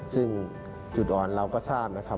ซึ่งจุดอ่อนเราก็ทราบนะครับ